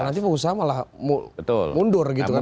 nanti pengusaha malah mundur